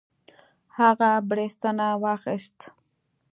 هغه بړستنه واخیست.